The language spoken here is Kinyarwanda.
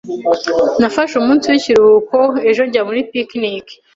Nafashe umunsi w'ikiruhuko ejo njya muri picnic.